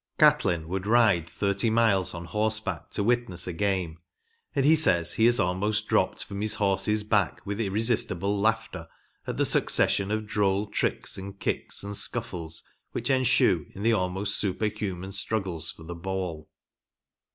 f I 28 THE ORIGINAL GAME. Catlin would *de 30 miles on horseback to witness a game, and he says he has almost dropped from his horse's back with irresistible laughter at the succes sion of droll tricks and kicks and scuffles which ensue in the almost superhuman struggles for the ball.